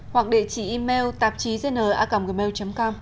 hoặc địa chỉ email tạp chí dn gmail com